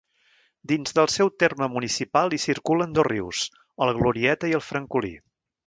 Dins del seu terme municipal hi circulen dos rius, el Glorieta i el Francolí.